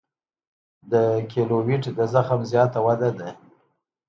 د کیلویډ د زخم زیاته وده ده.